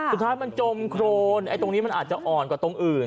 สุดท้ายมันจมโครนตรงนี้มันอาจจะอ่อนกว่าตรงอื่น